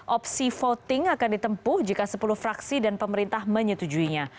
opsi voting akan ditempuh jika sepuluh fraksi dan pemerintah menyetujuinya